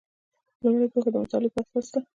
لومړۍ پوهه د مطالعې په اساس ده.